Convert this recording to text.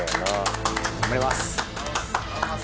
頑張ります！